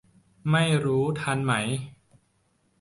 ไม่รู้ทันไหม